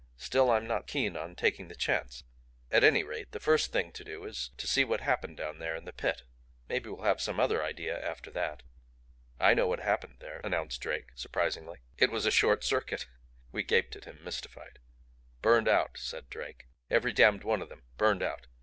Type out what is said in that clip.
"Still I'm not keen on taking the chance. At any rate, the first thing to do is to see what happened down there in the Pit. Maybe we'll have some other idea after that." "I know what happened there," announced Drake, surprisingly. "It was a short circuit!" We gaped at him, mystified. "Burned out!" said Drake. "Every damned one of them burned out.